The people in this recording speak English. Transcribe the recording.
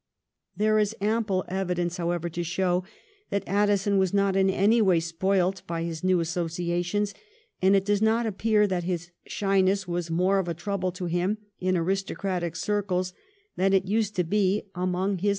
There is ample evidence, however, to show that Addison was not in any way spoilt by his new associations, and it does not appear that his shyness was more of a trouble to him in aristocratic circles than it used to be among his 1716 19 ADDISON'S CLOSING YEARS.